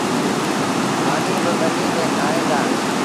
مآݩيٚ با ٻنيٚ ميݩ کآُئيٚن دآ۔